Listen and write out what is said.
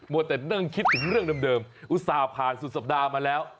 แต่นั่งคิดถึงเรื่องเดิมอุตส่าห์ผ่านสุดสัปดาห์มาแล้ว